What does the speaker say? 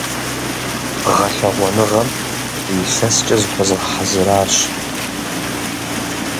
Гъэлъэгъуэныгъэм зы илъэскӀэ зыхуэзгъэхьэзыращ.